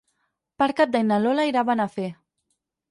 Per Cap d'Any na Lola irà a Benafer.